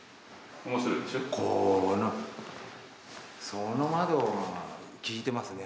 その窓が効いてますね。